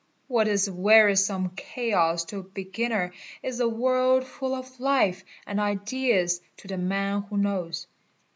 What is wearisome chaos to a beginner _ is a world full of life and ideas to the man who knows.